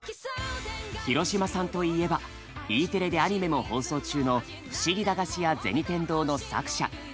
廣嶋さんといえばＥテレでアニメも放送中の「ふしぎ駄菓子屋銭天堂」の作者。